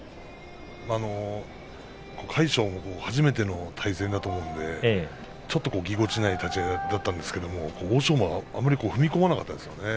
魁勝、初めての対戦だと思うのでちょっとぎこちない立ち合いだったんですけど欧勝馬はあまり踏み込まなかったですね。